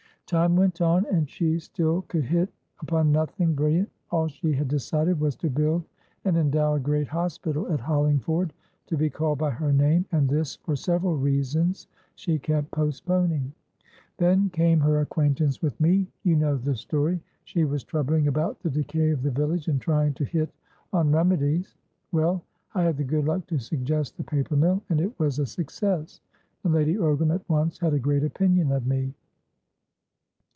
Time went on, and she still could hit upon nothing brilliant; all she had decided was to build and endow a great hospital at Hollingford, to be called by her name, and this, for several reasons, she kept postponing. Then came her acquaintance with meyou know the story. She was troubling about the decay of the village, and trying to hit on remedies. Well, I had the good luck to suggest the paper mill, and it was a success, and Lady Ogram at once had a great opinion of me.